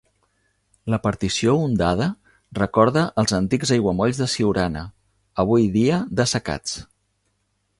La partició ondada recorda els antics aiguamolls de Siurana, avui dia dessecats.